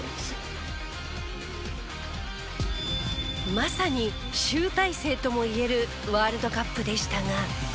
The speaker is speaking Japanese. まさに集大成とも言えるワールドカップでしたが。